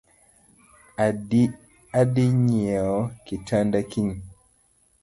Adii nyieo kitanda kiny